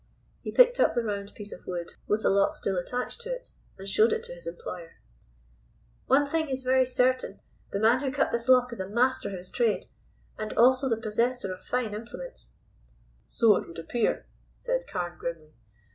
He picked up the round piece of wood with the lock still attached to it, and showed it to his employer. "One thing is very certain, the man who cut this hole is a master of his trade, and is also the possessor of fine implements." "So it would appear," said Carne grimly.